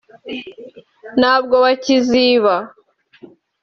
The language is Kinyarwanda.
ntabwo bakiziba